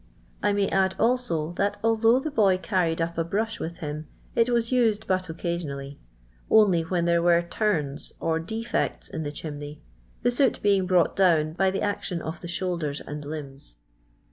I may add also, that although the boy carried up a brush with him, it was used but occasionally, only when there were " turns" or defects in the chimney, the soot being brought down by the ac tion of the shoulders and limbs.